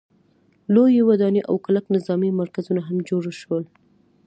لویې ودانۍ او کلک نظامي مرکزونه هم جوړ شول.